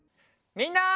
みんな！